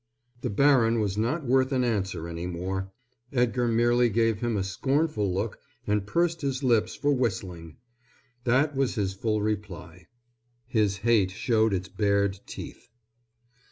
The baron was not worth an answer any more. Edgar merely gave him a scornful look and pursed his lips for whistling. That was his full reply. His hate showed its bared teeth.